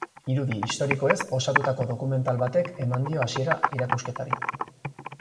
Irudi historikoez osatutako dokumental batek ematen dio hasiera erakusketari.